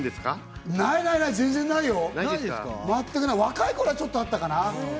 若い頃はちょっとあったかな？